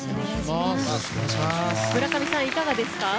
村上さん、いかがですか？